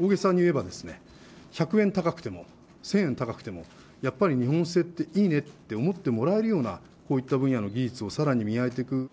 おおげさに言えばですね、１００円高くても１０００円高くても、やっぱり日本製っていいねって思ってもらえるような、こういった分野の技術をさらに磨いていく。